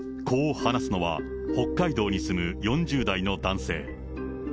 こう話すのは、北海道に住む４０代の男性。